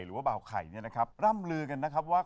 ว่าบ่าวไข่เนี่ยนะครับร่ำลือกันนะครับว่า